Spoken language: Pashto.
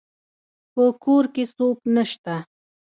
په کور کې څوک نشته